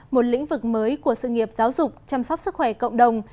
một lĩnh vực mới của sự nghiệp giáo dục chăm sóc sức khỏe cộng đồng